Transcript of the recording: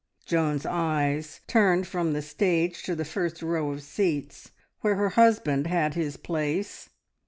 Joan's eyes turned from the stage to the first row of seats, where her husband had his place.